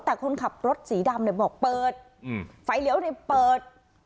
แต่คนขับรถสีดำเนี่ยบอกเปิดไฟเลี้ยวเนี่ยเปิด